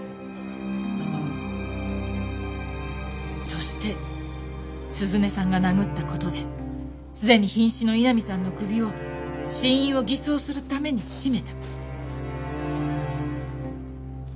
そして涼音さんが殴った事ですでに瀕死の井波さんの首を死因を偽装するために絞めた。